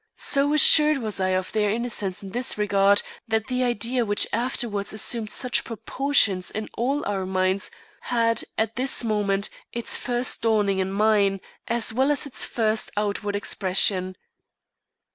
So assured was I of their innocence in this regard that the idea which afterwards assumed such proportions in all our minds had, at this moment, its first dawning in mine, as well as its first outward expression.